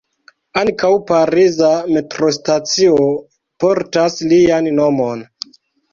Ankaŭ pariza metrostacio portas lian nomon.